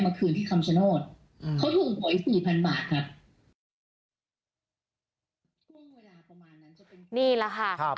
มาคืนกับคำชโนศ์เค้าถูกหวยกัน๔๐๐๐บาทครับ